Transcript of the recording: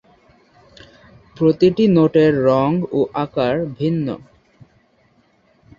প্রতিটি নোটের রং ও আকার ভিন্ন।